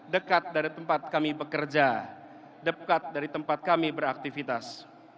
dekat dari tempat kami bekerja dekat dari tempat kami beraktivitas